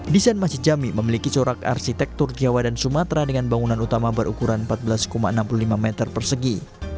desain masjid jami memiliki corak arsitektur jawa dan sumatera dengan bangunan utama berukuran empat belas enam puluh lima meter persegi